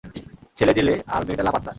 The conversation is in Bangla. ছেলে জেলে, আর মেয়েটা লাপাত্তা।